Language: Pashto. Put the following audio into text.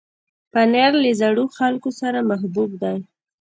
پنېر له زړو خلکو سره محبوب دی.